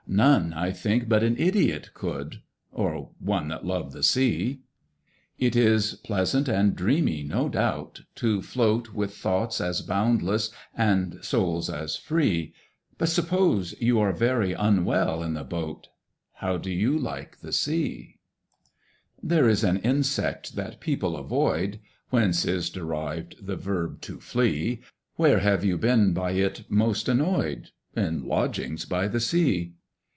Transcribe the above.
None, I think, but an idiot could— Or one that loved the Sea. It is pleasant and dreamy, no doubt, to float With 'thoughts as boundless, and souls as free': But, suppose you are very unwell in the boat, How do you like the Sea? [Picture: And this was by the sea] There is an insect that people avoid (Whence is derived the verb 'to flee'). Where have you been by it most annoyed? In lodgings by the Sea.